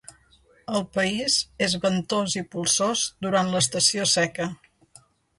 El país és ventós i polsós durant l'estació seca.